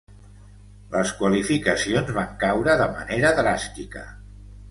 Les qualificacions van caure de manera dràstica.